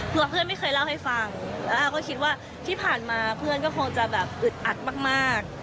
เพื่อนไม่เคยเล่าให้ฟังแล้วอ้าวก็คิดว่าที่ผ่านมาเพื่อนก็คงจะแบบอึดอัดมาก